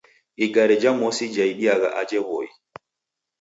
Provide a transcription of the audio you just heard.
Igare ja mosi jaidiagha aja W'oi.